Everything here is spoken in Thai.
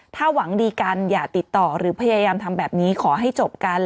ถ้าหวังดีกันอย่าติดต่อหรือพยายามทำแบบนี้ขอให้จบกัน